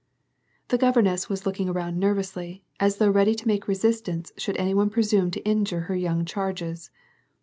The governess was looking around nervously, as though ready to make resistance should any one presume to injure her young charges.